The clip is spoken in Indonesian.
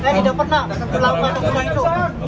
saya tidak pernah melakukan apa apa itu